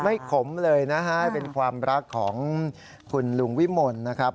ขมเลยนะฮะเป็นความรักของคุณลุงวิมลนะครับ